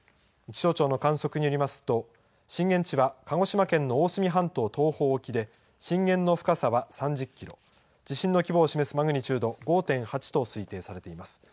気象庁の観測によりますと、震源地は鹿児島県の大隅半島東方沖で、震源の深さは３０キロ、地震の規模を示すマグニチュード、５．８と推定されています。